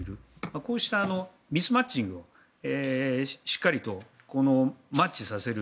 こうしたミスマッチングをしっかりとマッチさせる。